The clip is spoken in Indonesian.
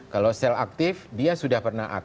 kalau sel aktif dia sudah pernah